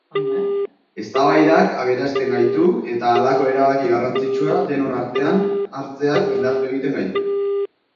Eztabaidak aberasten gaitu eta halako erabaki garrantzitsua denon artean hartzeak indartu egiten gaitu.